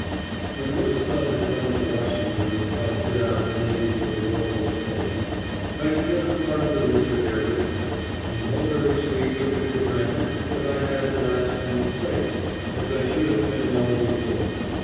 '" When Roosevelt had gone to Washington to help fit out the navy for the war with Spain, I spent a part of the winter there with him, and Mulberry Street took it for granted that I had at last been "placed" as I should have been long before.